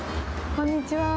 こんにちは。